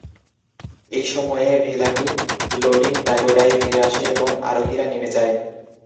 এই সময়ে ভেলাটি লোডিং প্যাগোডায় ফিরে আসে এবং আরোহীরা নেমে যায়।